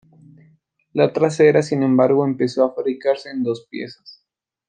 La trasera, sin embargo, empezó a fabricarse en dos piezas.